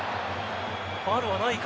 ファウルはないか。